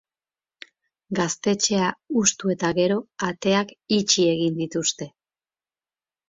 Gaztetxea hustu eta gero, ateak itxi egin dituzte.